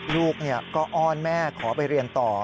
ลูกก็อ้อนแม่ขอไปเรียนต่อ